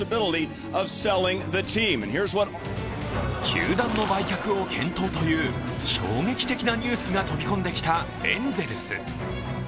球団の売却を検討という衝撃的なニュースが飛び込んできたエンゼルス。